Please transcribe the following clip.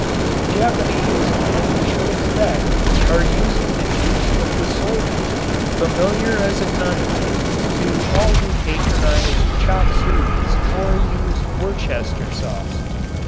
The Japanese, as we should expect, are using the juice of the soy bean, familiar as a condiment to all who patronize chop sueys or use Worcestershire sauce.